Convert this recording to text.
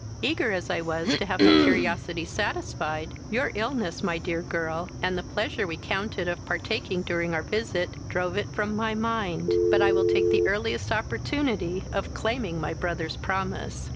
Eager as I was to have my curiosity satisfied, your illness, my dear girl, and the pleasure we counted of partaking during our visit, drove it from my mind; but I will take the earliest opportunity of claiming my brother's promise."